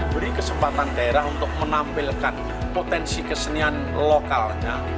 beri kesempatan daerah untuk menampilkan potensi kesenian lokalnya